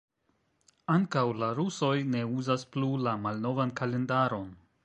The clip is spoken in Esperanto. Ankaŭ la rusoj ne uzas plu la malnovan kalendaron.